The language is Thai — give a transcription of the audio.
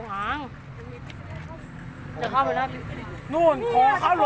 ฟริ้งเขารถเร็ว